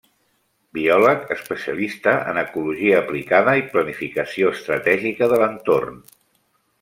Biòleg especialista en ecologia aplicada i planificació estratègica de l’entorn.